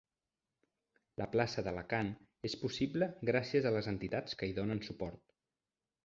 La Plaça d’Alacant és possible gràcies a les entitats que hi donen suport.